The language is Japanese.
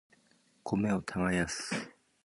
米を耕す